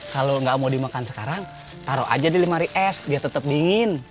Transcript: kalau nggak mau dimakan sekarang taruh aja di lemari es dia tetap dingin